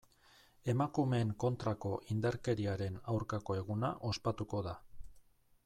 Emakumeen kontrako indarkeriaren aurkako eguna ospatuko da.